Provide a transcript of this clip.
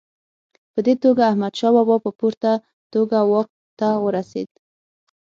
په دې توګه احمدشاه بابا په پوره توګه واک ته ورسېد.